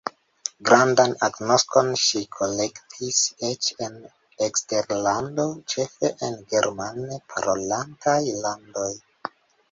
Grandan agnoskon ŝi kolektis eĉ en eksterlando, ĉefe en germane parolantaj landoj.